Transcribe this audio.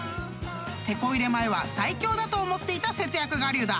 ［テコ入れ前は最強だと思っていた節約我流だ］